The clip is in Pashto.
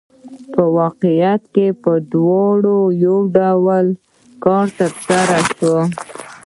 په واقعیت کې په دواړو یو ډول کار ترسره شوی